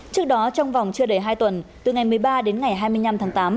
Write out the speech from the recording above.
trước đó trong vòng chưa đầy hai tuần từ ngày một mươi ba đến ngày hai mươi năm tháng tám